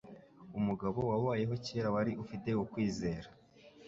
Umugabo wabayeho kera wari ufite ukwizera